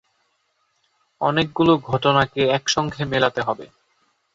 অনেকগুলো ঘটনাকে একসঙ্গে মেলাতে হবে।